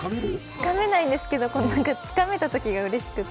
つかめないんですけど、つかめたときがうれしくて。